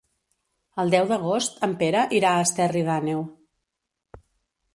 El deu d'agost en Pere irà a Esterri d'Àneu.